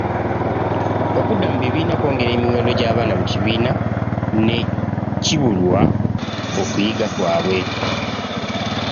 Okudda mu bibiina kwongera emiwendo gy abaana mu kibiina ne kkibuwaa okuyiga kwabwe